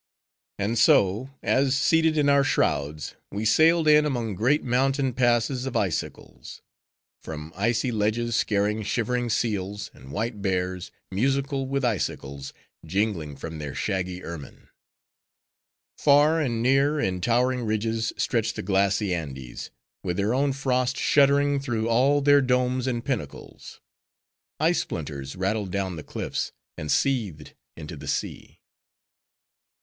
And so, as seated in our shrouds, we sailed in among great mountain passes of ice isles; from icy ledges scaring shivering seals, and white bears, musical with icicles, jingling from their shaggy ermine. Far and near, in towering ridges, stretched the glassy Andes; with their own frost, shuddering through all their domes and pinnacles. Ice splinters rattled down the cliffs, and seethed into the sea.